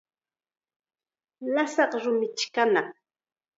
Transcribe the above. Lasaq rumichi kanaq.